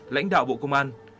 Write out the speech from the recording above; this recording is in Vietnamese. lãnh đạo bộ công an